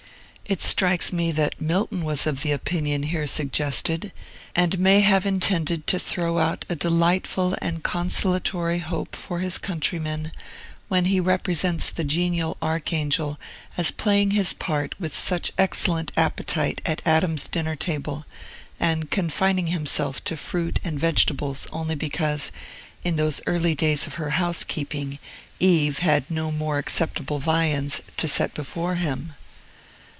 It strikes me that Milton was of the opinion here suggested, and may have intended to throw out a delightful and consolatory hope for his countrymen, when he represents the genial archangel as playing his part with such excellent appetite at Adam's dinner table, and confining himself to fruit and vegetables only because, in those early days of her housekeeping, Eve had no more acceptable viands to set before him.